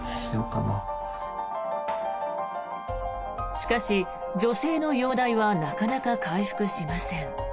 しかし女性の容体はなかなか回復しません。